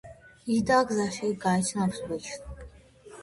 იდა გზაში გაიცნობს ბიჭს.